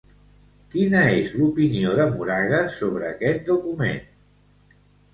Quina és l'opinió de Moragues sobre aquest document?